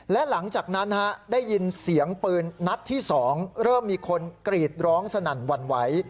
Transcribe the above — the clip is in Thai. และหลังจากนั้นได้ยินเสียงปืนนัดที่๒เริ่มมีคนกรีดร้องสนั่นหวั่นไหว